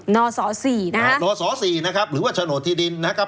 นศ๔นะฮะนศ๔นะครับหรือว่าโฉนดที่ดินนะครับ